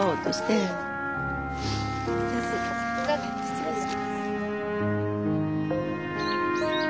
失礼します。